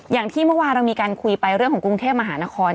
อย่างที่เมื่อวานเรามีการคุยไปเรื่องของกรุงเทพมหานคร